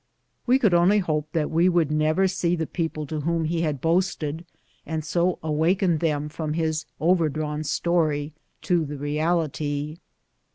We could only hope that we would never see the people to whom he had boasted, and so awaken them from his overdrawn story to the reality.